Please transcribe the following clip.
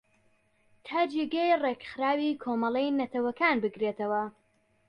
تا جێگای ریکخراوی کۆمەلەی نەتەوەکان بگرێتەوە